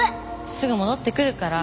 すぐ戻ってくるから。